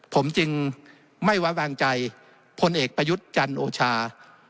ผมจึงไม่ไว้วางใจพลเอกประยุทธ์จันโอชา